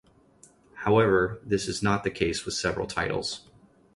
However, this is not the case with several titles.